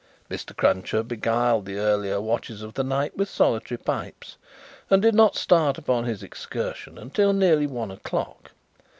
Mr. Cruncher beguiled the earlier watches of the night with solitary pipes, and did not start upon his excursion until nearly one o'clock.